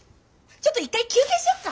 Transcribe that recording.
ちょっと１回休憩しよっか。